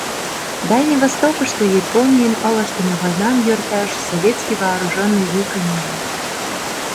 Дальний Востокышто Японийын ылыжтыме войнам йӧрташ советский вооруженный вий кынеле.